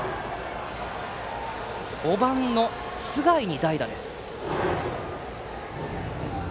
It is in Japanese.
５番の須貝に代打です。